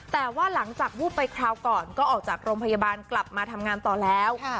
แต่ว่าหลังจากวูบไปคราวก่อนก็ออกจากโรงพยาบาลกลับมาทำงานต่อแล้ว